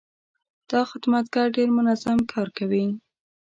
دا خدمتګر ډېر منظم کار کوي.